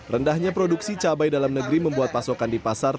rendahnya produksi cabai dalam negeri membuat pasokan di pasar